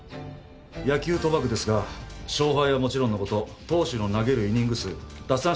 野球賭博ですが勝敗はもちろんのこと投手の投げるイニング数奪